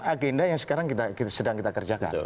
agenda yang sekarang sedang kita kerjakan